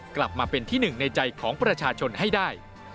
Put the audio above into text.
กลับมาเป็นที่หนึ่งในใจของประชาชนให้ได้